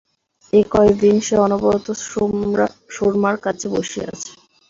এ কয় দিন সে অনবরত সুরমার কাছে বসিয়া আছে।